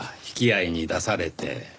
引き合いに出されて。